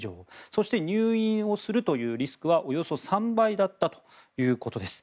そして入院をするというリスクはおよそ３倍だったということです。